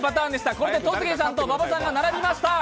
これで戸次さんと馬場さんが並びました。